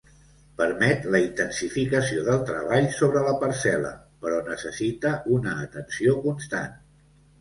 Permet la intensificació del treball sobre la parcel·la, però necessita una atenció constant.